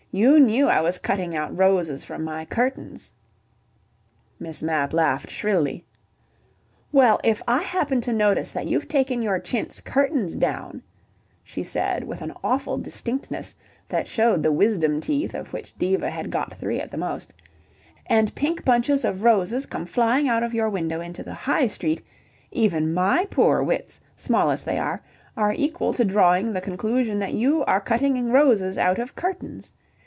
You knew I was cutting out roses from my curtains " Miss Mapp laughed shrilly. "Well, if I happen to notice that you've taken your chintz curtains down," she said with an awful distinctness that showed the wisdom teeth of which Diva had got three at the most, "and pink bunches of roses come flying out of your window into the High Street, even my poor wits, small as they are, are equal to drawing the conclusion that you are cutting roses out of curtains.